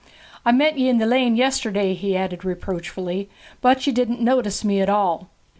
'I met ye in the lane yesterday,' he added reproachfully, 'but ye didn't notice me at all.'